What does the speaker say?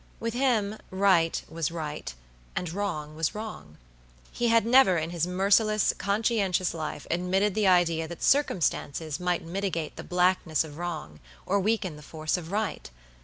With him right was right, and wrong was wrong. He had never in his merciless, conscientious life admitted the idea that circumstances might mitigate the blackness of wrong or weaken the force of right.